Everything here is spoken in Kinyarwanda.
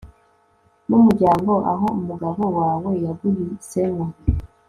numuryango aho umugabo wawe yaguhisemo